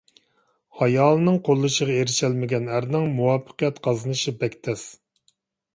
ئايالىنىڭ قوللىشىغا ئېرىشەلمىگەن ئەرنىڭ مۇۋەپپەقىيەت قازىنىشى بەك تەس.